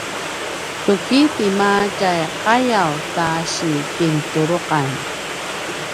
tu ki tima tjai qayaw ta si kintuluqan?